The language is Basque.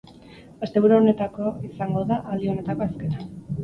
Asteburu honetako izango da aldi honetako azkena.